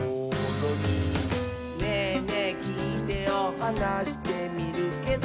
「『ねぇねぇきいてよ』はなしてみるけど」